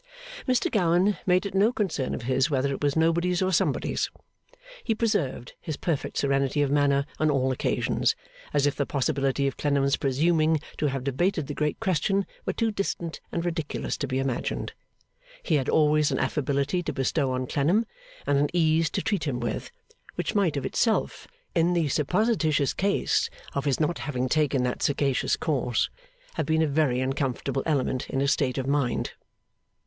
Mr Gowan made it no concern of his whether it was nobody's or somebody's. He preserved his perfect serenity of manner on all occasions, as if the possibility of Clennam's presuming to have debated the great question were too distant and ridiculous to be imagined. He had always an affability to bestow on Clennam and an ease to treat him with, which might of itself (in the supposititious case of his not having taken that sagacious course) have been a very uncomfortable element in his state of mind.